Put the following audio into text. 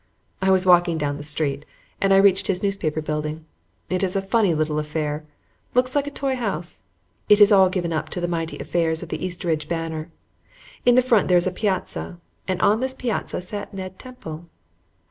I was walking down the street, and I reached his newspaper building. It is a funny little affair; looks like a toy house. It is all given up to the mighty affairs of the Eastridge Banner. In front there is a piazza, and on this piazza sat Ned Temple.